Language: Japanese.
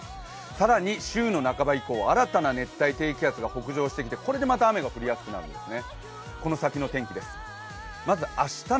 更に週の半ば以降、新たな熱帯低気圧が北上してきてこれでまた雨が降りやすくなるんですね。